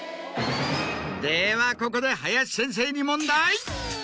ではここで林先生に。